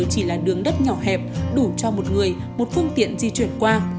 chỉ là đường đất nhỏ hẹp đủ cho một người một phương tiện di chuyển qua